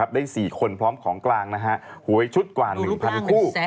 ได้๔คนพร้อมของกลางหวยชุดกว่า๑๐๐คู่